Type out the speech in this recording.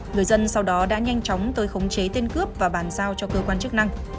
người dân sau đó đã nhanh chóng tới khống chế tên cướp và bàn giao cho cơ quan chức năng